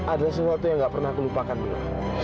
adalah sesuatu yang gak pernah aku lupakan mila